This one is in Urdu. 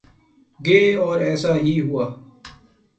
گے اور ایسا ہی ہوا۔